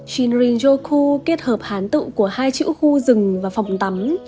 chinrin joku kết hợp hán tự của hai chữ khu rừng và phòng tắm